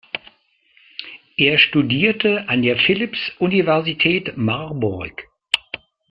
Er studierte an der Philipps-Universität Marburg.